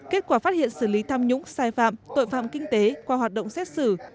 kết quả phát hiện xử lý tham nhũng sai phạm tội phạm kinh tế qua hoạt động xét xử